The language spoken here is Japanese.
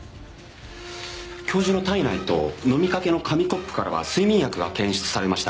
教授の体内と飲みかけの紙コップからは睡眠薬が検出されました。